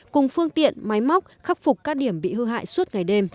cùng phương tiện máy móc khắc phục các điểm bị hư hại suốt ngày đêm